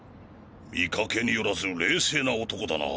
見かけによらず冷静な男だな。